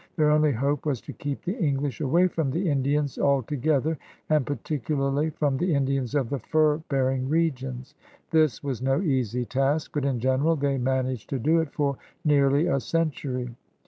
Their only hope was to keep the English away from the Indians al together, and particularly from the Indians of the fur bearing regions. This was no easy task, but in general they managed to do it for nearly a century.